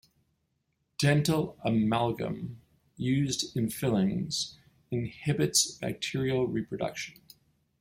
Dental amalgam used in fillings inhibits bacterial reproduction.